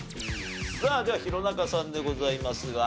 さあじゃあ弘中さんでございますが。